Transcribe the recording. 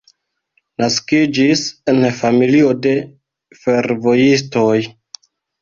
Naskiĝis en familio de fervojistoj.